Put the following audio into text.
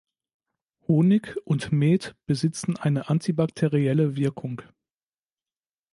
Honig und Met besitzen eine antibakterielle Wirkung.